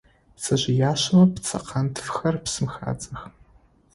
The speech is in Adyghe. Пцэжъыяшэмэ пцэкъэнтфхэр псым хадзэх.